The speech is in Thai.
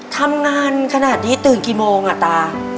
ทำงานขนาดนี้ตื่นกี่โมงอ่ะตา